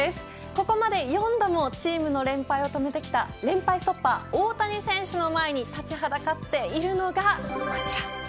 ここまで４度もチームの連敗を止めてきた連敗ストッパー大谷選手の前に立ちはだかっているのがこちら。